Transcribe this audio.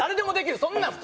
そんなん普通。